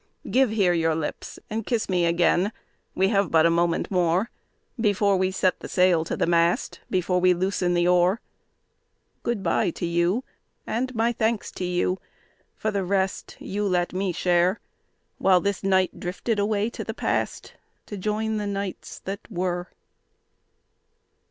Give here your lips and kiss me again, we have but a moment more, Before we set the sail to the mast, before we loosen the oar. Good bye to you, and my thanks to you, for the rest you let me share, While this night drifted away to the Past, to join the Nights that Were.